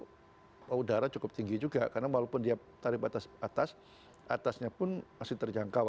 karena udara cukup tinggi juga karena walaupun dia tarif batas atas atasnya pun masih terjangkau